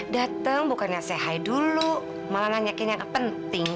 dateng bukannya sehai dulu malah nanyakin yang penting